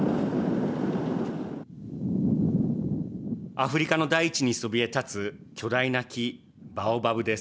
アフリカの大地にそびえ立つ巨大な木、バオバブです。